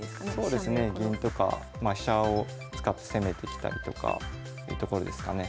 そうですね銀とかまあ飛車を使って攻めてきたりとかというところですかね。